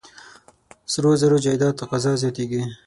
سرو زرو جایداد تقاضا زیاتېږي.